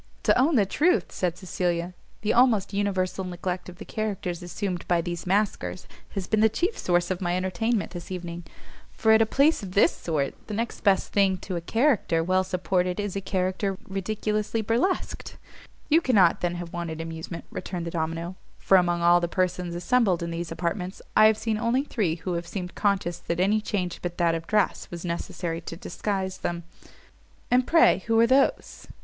"To own the truth," said Cecilia, "the almost universal neglect of the characters assumed by these masquers has been the chief source of my entertainment this evening: for at a place of this sort, the next best thing to a character well supported is a character ridiculously burlesqued." "You cannot, then, have wanted amusement," returned the domino, "for among all the persons assembled in these apartments, I have seen only three who have seemed conscious that any change but that of dress was necessary to disguise them." "And pray who are those?"